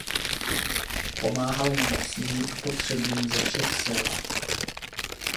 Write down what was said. Pomáhal nemocným a potřebným ze všech sil.